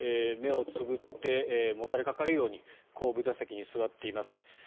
目をつぶってもたれかかるように後部座席に座っています。